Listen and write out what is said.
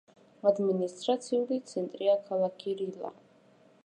ადმინისტრაციული ცენტრია ქალაქი რილა.